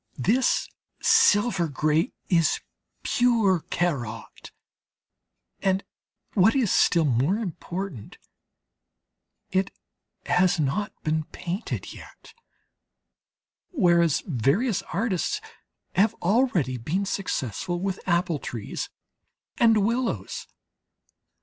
This silver grey is pure Corot, and what is still more important, it has not been painted yet; whereas various artists have already been successful with apple trees and willows.